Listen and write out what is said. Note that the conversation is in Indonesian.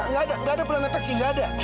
nggak ada nggak ada pulangnya taksi nggak ada